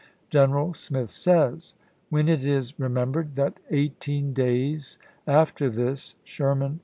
General Smith says, " When it is re membered that eighteen days after this Sherman Nov.